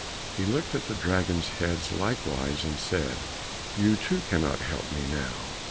He looked at the dragons, heads likewise and said, "You too cannot help me now."